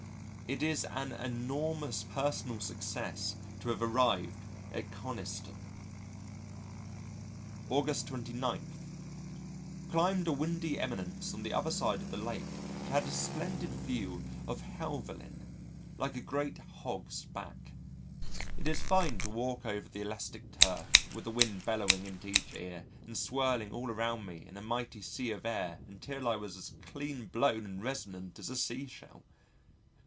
It is an enormous personal success to have arrived at Coniston! August 29. Climbed a windy eminence on the other side of the Lake and had a splendid view of Helvellyn like a great hog's back. It is fine to walk over the elastic turf with the wind bellowing into each ear and swirling all around me in a mighty sea of air until I was as clean blown and resonant as a sea shell.